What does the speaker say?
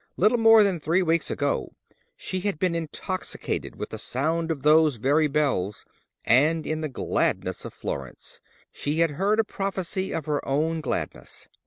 Little more than three weeks ago she had been intoxicated with the sound of those very bells; and in the gladness of Florence, she had heard a prophecy of her own gladness.